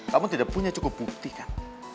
kamu tidak punya cukup bukti kan